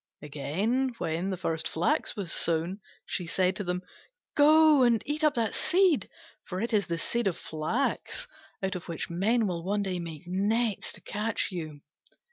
Again, when the first flax was sown, she said to them, "Go and eat up that seed, for it is the seed of the flax, out of which men will one day make nets to catch you."